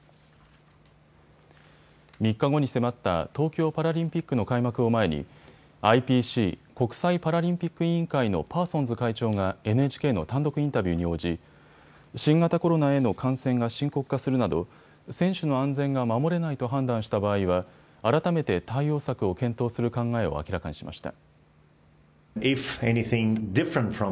３日後に迫った東京パラリンピックの開幕を前にＩＰＣ・国際パラリンピック委員会のパーソンズ会長がＮＨＫの単独インタビューに応じ新型コロナへの感染が深刻化するなど選手の安全が守れないと判断した場合は改めて対応策を検討する考えを明らかにしました。